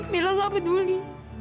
mila gak peduli